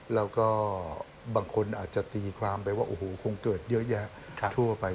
แล้วก็บางคนอาจจะตีความไปว่าโอ้โหคงเกิดเยอะแยะทั่วไป